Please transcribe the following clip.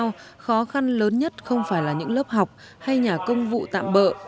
trong vùng cao khó khăn lớn nhất không phải là những lớp học hay nhà công vụ tạm bỡ